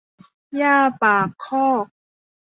หญ้าปากคอก